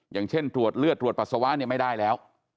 อย่างเช่นตรวจเลือดตรวจปัสสาวะเนี่ยไม่ได้แล้ว